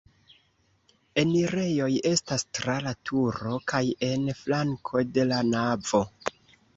Enirejoj estas tra la turo kaj en flanko de la navo.